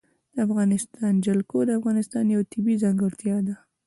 د افغانستان جلکو د افغانستان یوه طبیعي ځانګړتیا ده.